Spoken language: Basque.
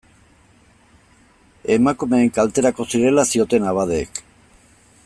Emakumeen kalterako zirela zioten abadeek.